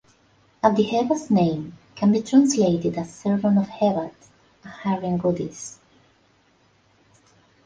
Abdi-Heba's name can be translated as "servant of Hebat", a Hurrian goddess.